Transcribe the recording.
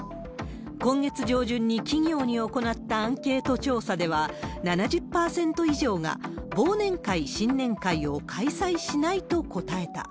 今月上旬に企業に行ったアンケート調査では、７０％以上が忘年会、新年会を開催しないと答えた。